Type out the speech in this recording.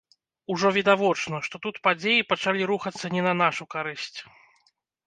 Ужо відавочна, што тут падзеі пачалі рухацца не на нашу карысць.